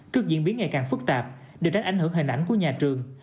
trước diễn biến ngày càng phức tạp điều trách ảnh hưởng hình ảnh của nhà trường